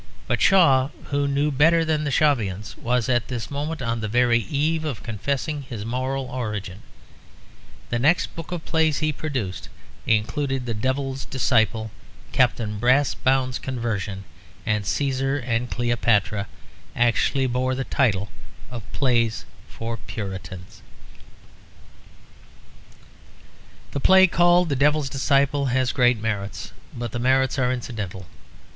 But Shaw, who knew better than the Shavians, was at this moment on the very eve of confessing his moral origin. The next book of plays he produced (including The Devil's Disciple, Captain Brassbound's Conversion, and Cæsar and Cleopatra), actually bore the title of Plays for Puritans. The play called The Devil's Disciple has great merits, but the merits are incidental.